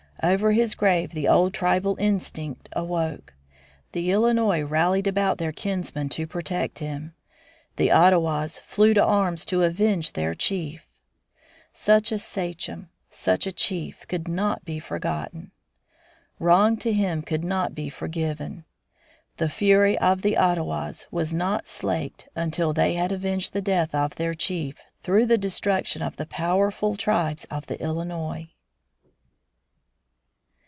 Over his grave the old tribal instinct awoke. The Illinois rallied about their kinsman to protect him; the Ottawas flew to arms to avenge their chief such a sachem, such a chief, could not be forgotten. Wrong to him could not be forgiven. The fury of the Ottawas was not slaked until they had avenged the death of their chief, through the destruction of the powerful tribes of the Illinois.